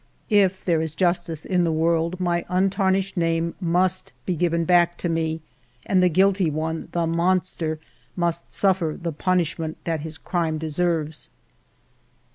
If there is justice in the world, my untarnished name must be given 8 114 FIVE YEARS OF MY LIFE back to me, and the guilty one, the monster, must suffer the punishment that his crime deserves.